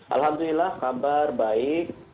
alhamdulillah kabar baik